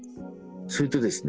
それとですね